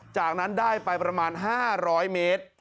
จากนั้นได้ไปประมาณ๕๐๐เมตร